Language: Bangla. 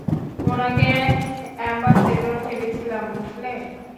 উনাকে অ্যাম্বাসেডর ভেবেছিলাম বুঝলে!